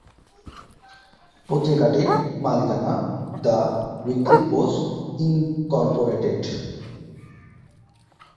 পত্রিকাটির মালিকানা the Weekly Post, Incorporated.